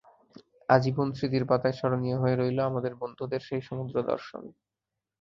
আজীবন স্মৃতির পাতায় স্মরণীয় হয়ে রইল আমাদের বন্ধুদের সেই সমুদ্র দর্শন।